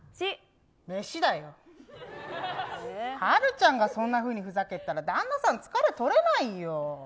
はるちゃんがそんなふうに、ふざけてたら旦那さん疲れとれないよ。